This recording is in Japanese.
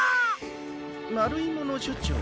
まるいものしょちょう？